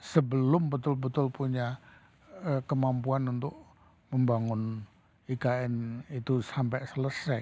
sebelum betul betul punya kemampuan untuk membangun ikn itu sampai selesai